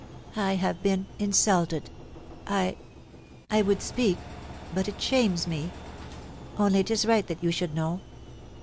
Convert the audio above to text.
1 have been — insulted I — I would speak, but it shames me — only it is right that you should know.